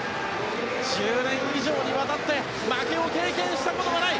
１０年以上にわたって負けを経験したことがない